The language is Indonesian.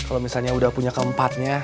kalau misalnya udah punya keempatnya